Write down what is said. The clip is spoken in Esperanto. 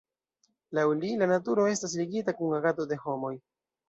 Laŭ li, la naturo estas ligita kun agado de homoj.